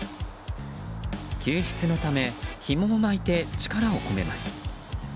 救出のためひもを巻いて力を込めます。